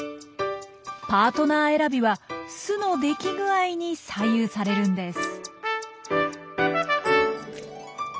パートナー選びは巣の出来具合に左右されるんです。